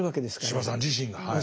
司馬さん自身がはい。